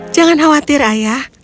jangan khawatir ayah